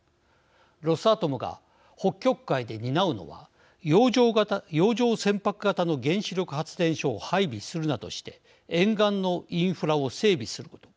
ロスアトムが北極海で担うのは洋上船舶型の原子力発電所を配備するなどして沿岸のインフラを整備すること